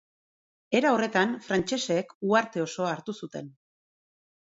Era horretan, frantsesek uharte osoa hartu zuten.